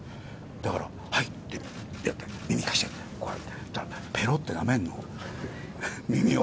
だから、はいってやったら、耳貸して、そしたらぺろってなめんの、耳を。